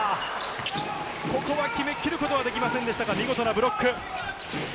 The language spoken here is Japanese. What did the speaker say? ここは決めきることはできませんでしたが見事なブロック。